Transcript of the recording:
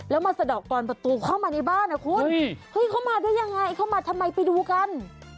แล้วมาสะดอกกรอนประตูเข้ามาในบ้านนะคุณเฮ้ยเข้ามาได้ยังไงเข้ามาทำไมไปดูกัน